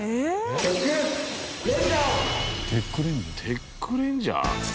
テックレンジャー？